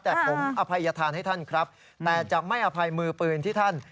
แต่ผมอภัยธานให้ท่านครับแต่จะไม่อภัยมือปืนที่ท่าน